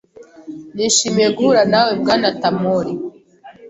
Nishimiye guhura nawe, Bwana Tamori.